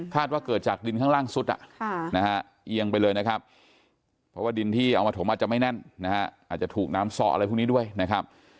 ว่าเกิดจากดินข้างล่างสุดเอียงไปเลยนะครับเพราะว่าดินที่เอามาถมอาจจะไม่แน่นนะฮะอาจจะถูกน้ำซ้ออะไรพวกนี้ด้วยนะครับ